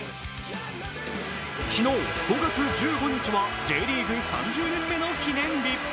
昨日、５月１５日はＪリーグ３０年目の記念日。